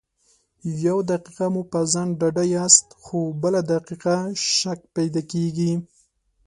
يو دقيقه کې مو په ځان ډاډه ياست خو بله دقيقه شک پیدا کېږي.